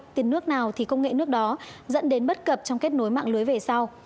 tiền nước nào thì công nghệ nước đó dẫn đến bất cập trong kết nối mạng lưới về sau